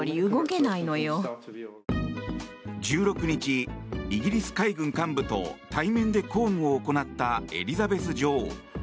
１６日、イギリス海軍幹部と対面で公務を行ったエリザベス女王。